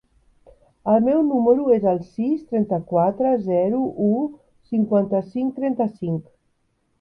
El meu número es el sis, trenta-quatre, zero, u, cinquanta-cinc, trenta-cinc.